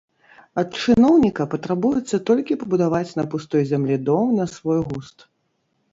Ад чыноўніка патрабуецца толькі пабудаваць на пустой зямлі дом на свой густ.